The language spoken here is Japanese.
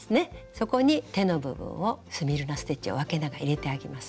そこに手の部分をスミルナ・ステッチをあけながら入れてあげます。